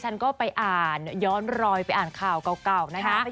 ฉันก็ไปอ่านย้อนรอยไปอ่านข่าวเก่านะคะ